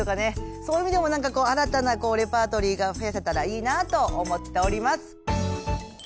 そういう意味でもなんかこう新たなレパートリーが増やせたらいいなあと思っております。